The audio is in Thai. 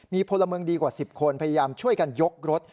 มีพลเมืองดีกว่า๑๐คนพยายามช่วยกันยกรถ